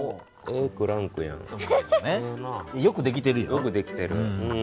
よくできてるよ。